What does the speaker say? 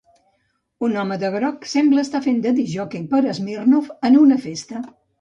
Un home de groc sembla estar fent de discjòquei per Smirnoff en una festa.